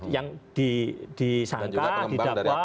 yang disangka didapwa